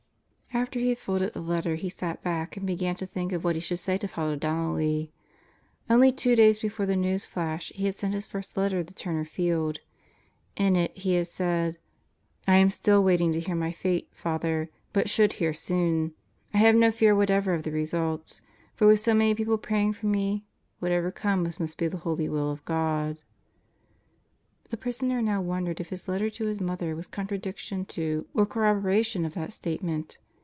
... After he had folded the letter he sat back and began to think of what he should say to Father Donnelly. Only two days before the news flash he had sent his first letter to Turner Field. In It He had said: "I am still waiting to hear my fate, Father. But should hear soon. I have no fear whatever of the results; for with so many people praying for me whatever comes must be the holy will of God." The prisoner now wondered if his letter to his mother was contradiction to or corroboration of that statement.